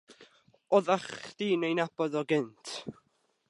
Oddach chdi'n 'i nabod o cynt?